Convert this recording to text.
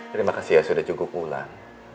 terima kasih ya sudah cukup pulang